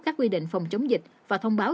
các quy định phòng chống dịch và thông báo